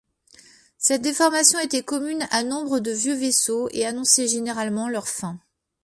Cette déformation était commune à nombre de vieux vaisseaux et annonçait généralement leur fin.